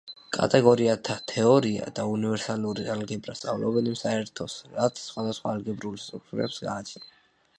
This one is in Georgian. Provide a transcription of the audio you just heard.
კატეგორიათა თეორია და უნივერსალური ალგებრა სწავლობენ იმ საერთოს, რაც სხვადასხვა ალგებრულ სტრუქტურებს გააჩნიათ.